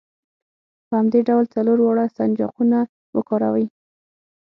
په همدې ډول څلور واړه سنجاقونه وکاروئ.